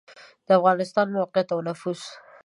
د افغانستان موقعیت او نفوس